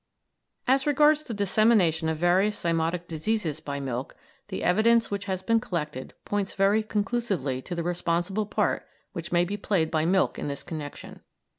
As regards the dissemination of various zymotic diseases by milk, the evidence which has been collected points very conclusively to the responsible part which may be played by milk in this connection.